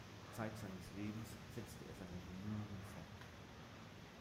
Zeit seines Lebens setzte er seine Bemühungen fort.